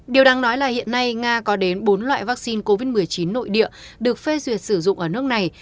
điều đáng nói là hiện nay nga có đến bốn loại vaccine covid một mươi chín nội địa được phê duyệt sử dụng ở nước này